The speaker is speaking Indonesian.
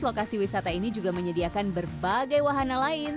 lokasi wisata ini juga menyediakan berbagai wahana lain